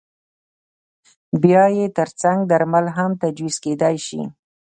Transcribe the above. بیا یې ترڅنګ درمل هم تجویز کېدای شي.